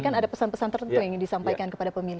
kan ada pesan pesan tertentu yang ingin disampaikan kepada pemilih